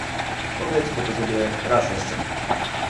Powiedzmy to sobie raz jeszcze